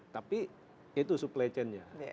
tapi itu supply chainnya